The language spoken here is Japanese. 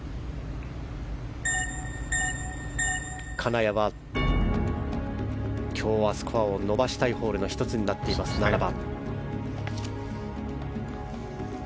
金谷は今日はスコアを伸ばしたいホールの１つになっている７番。